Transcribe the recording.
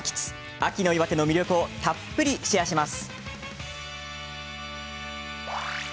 秋の岩手の魅力をたっぷりシェアします。